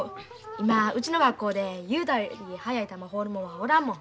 今うちの学校で雄太より速い球放るもんはおらんもん。